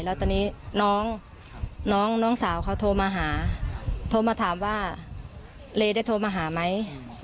แล้วตอนนี้น้องน้องสาวเขาโทรมาหาโทรมาถามว่าเลได้โทรมาหาไหม